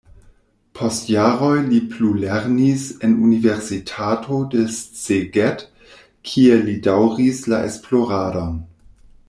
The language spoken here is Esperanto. Post jaroj li plulernis en universitato de Szeged, kie li daŭris la esploradon.